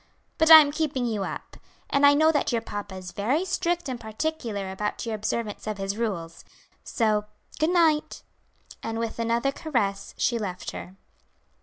But I am keeping you up, and I know that your papa is very strict and particular about your observance of his rules; so good night." And, with another caress, she left her.